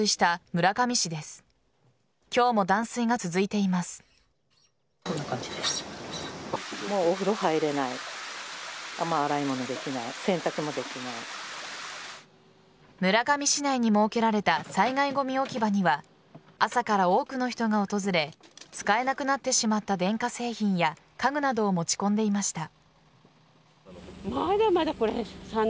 村上市内に設けられた災害ごみ置き場には朝から多くの人が訪れ使えなくなってしまった電化製品や家具などを持ち込んでいました。